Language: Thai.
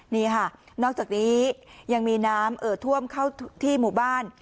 นี่ค่ะนอกจากนี้ยังมีน้ำเอ่อท่วมเข้าที่หมู่บ้าน